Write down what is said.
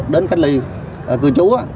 đến cách ly cư trú